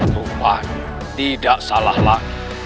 rupanya tidak salah lagi